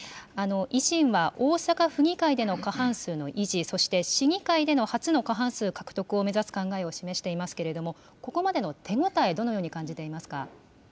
維新は、大阪府議会での過半数の維持、そして市議会での初の過半数獲得を目指す考えを示していますけれども、ここまでの手応え、どのように感じていますか。